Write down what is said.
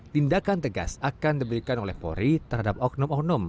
tindakan tegas akan diberikan oleh polri terhadap oknum oknum